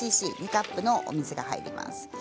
２カップのお水が入ります。